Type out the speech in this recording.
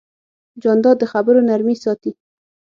جانداد د خبرو نرمي ساتي.